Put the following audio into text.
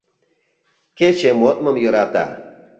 Кече модмым йӧрата.